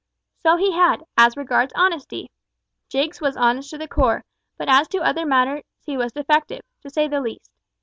So he had, as regards honesty. Jiggs was honest to the core; but as to other matters he was defective to say the least.